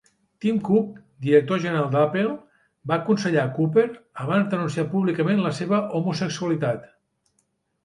Tim Cook, director general d'Apple, va aconsellar Cooper abans d'anunciar públicament la seva homosexualitat.